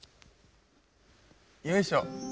よいしょ。